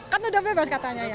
kan sudah bebas katanya ya